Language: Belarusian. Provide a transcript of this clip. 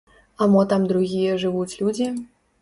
А мо там другія жывуць людзі?